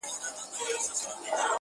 • خوشحال په دې يم چي ذهين نه سمه.